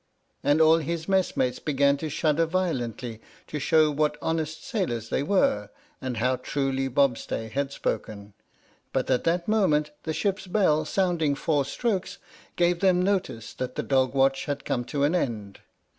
And all his messmates began to shudder violently to show what honest sailors they were and how truly Bobstay had spoken ; but at that moment the ship's bell sounding four strokes gave them notice that the dog watch had come to an end.